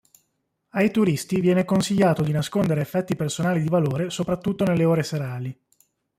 Ai turisti viene consigliato di nascondere effetti personali di valore, soprattutto nelle ore serali.